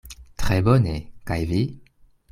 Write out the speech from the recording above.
Tre bone; kaj vi?